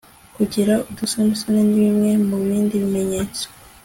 kugira udusonisoni, ni bimwe mu bindi bimenyetso